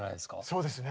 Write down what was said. そうですね。